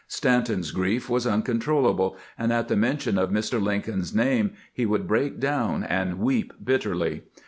Stanton's grief was uncontrollable, and at the mention of Mr. Lincoln's name he would break down and weep bitterly.